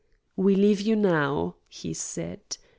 "We leave you now," he said.